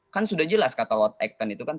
kan sudah jelas kata lot acton itu kan